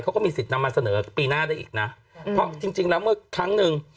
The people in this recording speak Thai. เขาก็มีสิทธิ์นำมาเสนอปีหน้าได้อีกนะเพราะจริงจริงแล้วเมื่อครั้งหนึ่ง